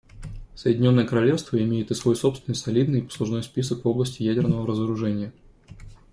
Соединенное Королевство имеет и свой собственный солидный послужной список в области ядерного разоружения.